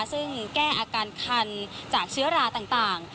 ซึ่งแก้อาการคันจากเชื้อราต่าง